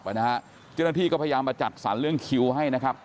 เจ้าหน้าที่ก็พยายามมาจัดสรรเรื่องคิวให้นะครับ